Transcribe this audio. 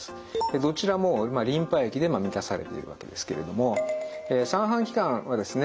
どちらもリンパ液で満たされているわけですけれども三半規管はですね